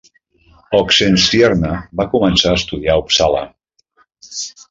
Oxenstierna va començar a estudiar a Uppsala.